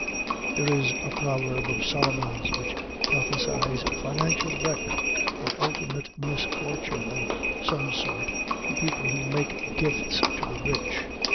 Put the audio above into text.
There is a proverb of Solomon's which prophesies financial wreck or ultimate misfortune of some sort to people who make gifts to the rich.